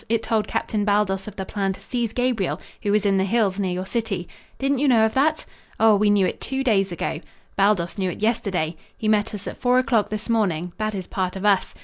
It told Captain Baldos of the plan to seize Gabriel, who was in the hills near your city. Didn't you know of that? Oh, we knew it two days ago. Baldos knew it yesterday. He met us at four o'clock this morning; that is part of us.